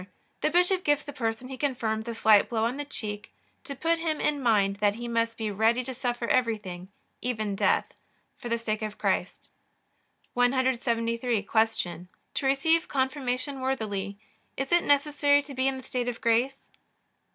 The bishop gives the person he confirms a slight blow on the cheek, to put him in mind that he must be ready to suffer everything, even death, for the sake of Christ. 173. Q. To receive Confirmation worthily is it necessary to be in the state of grace?